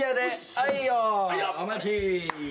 はいよ。お待ち。